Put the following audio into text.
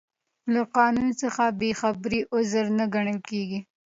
له قانون څخه بې خبري عذر نه ګڼل کیږي.